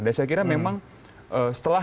dan saya kira memang setelah